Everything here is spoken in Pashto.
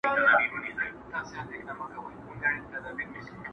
نه وزیر نه سلاکار یمه زما وروره.!